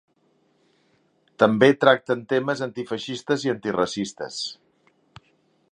També tracten temes antifeixistes i antiracistes.